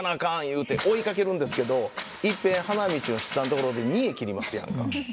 いうて追いかけるんですけどいっぺん花道の七三の所で見得切りますやんか。